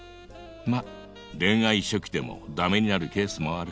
ま恋愛初期でもダメになるケースもある。